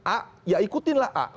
a ya ikutin lah a